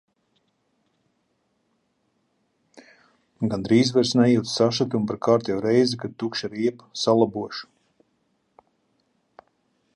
Gandrīz vairs nejūtu sašutumu par kārtējo reizi, kad tukša riepa. Salabošu.